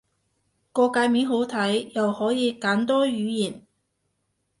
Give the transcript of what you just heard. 個介面好睇，又可以揀多語言